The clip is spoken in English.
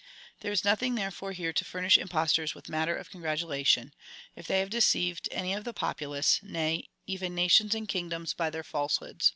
There is nothing, therefore, here to furnish impostors with matter of congratulation, if they have de ceived any of the populace, nay, even nations and kingdoms, by their falsehoods.